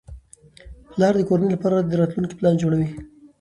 پلار د کورنۍ لپاره د راتلونکي پلان جوړوي